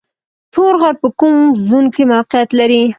تور غر په کوم زون کې موقعیت لري؟